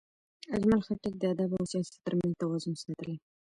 اجمل خټک د ادب او سیاست ترمنځ توازن ساتلی.